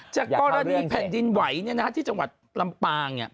จากกรณีแผ่นดินไหวที่จังหวัดลำปาง